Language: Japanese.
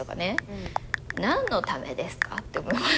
何のためですかって。